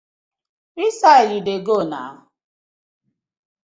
Wusai yu dey go na?